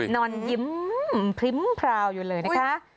นอนยิ้มพริ้มพราวอยู่เลยนะคะ